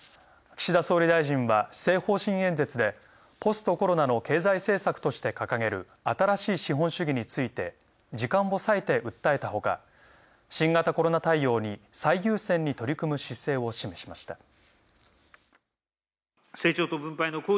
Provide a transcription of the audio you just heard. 岸田総理大臣は施政方針演説でポストコロナの経済政策として掲げる「新しい資本主義」について、時間を割いて訴えたほか新型コロナ対応に最優先に取り組む姿勢を示しました。